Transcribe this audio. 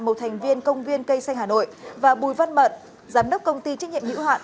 một thành viên công viên cây xanh hà nội và bùi văn mận giám đốc công ty trách nhiệm hữu hạn